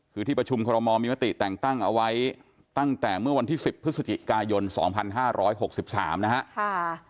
คือที่ประชุมครมมมิมติแต่งตั้งเอาไว้ตั้งแต่เมื่อวันที่สิบพฤศจิกายนสองพันห้าร้อยหกสิบสามนะฮะ